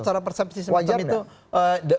secara persepsi semacam itu